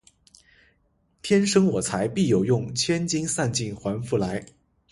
天生我材必有用，千金散尽还复来